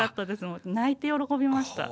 もう泣いて喜びました。